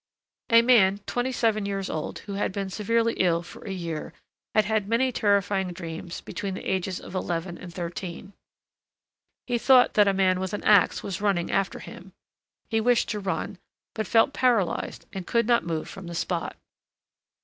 A man twenty seven years old who had been severely ill for a year had had many terrifying dreams between the ages of eleven and thirteen. He thought that a man with an ax was running after him; he wished to run, but felt paralyzed and could not move from the spot.